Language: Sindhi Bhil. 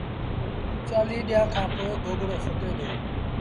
چآليٚه ڏيݩهآݩ کآݩ پو گوگڙو ڦُٽي دو